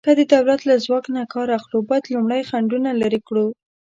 که د دولت له ځواک نه کار اخلو، باید لومړی خنډونه لرې کړو.